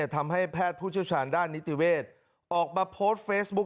ทำให้แพทย์ผู้เชี่ยวชาญด้านนิติเวศออกมาโพสต์เฟซบุ๊ค